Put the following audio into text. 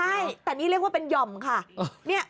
ใช่แต่นี่เรียกว่าเป็นห่อมค่ะ